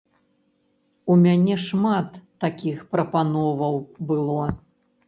У мяне шмат такіх прапановаў было.